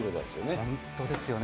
本当ですよね。